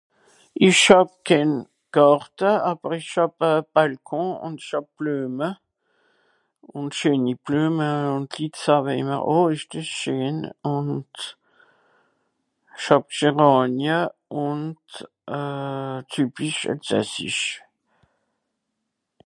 isch hàb kehn gàrte àwer isch hàb euh à balcon ùn isch hàb bleume ùn scheeni bleume ùn d'lit seuje ìmmer oh esch des scheen ùnd isch hàb gerànie ùnd euh typisch elsassisch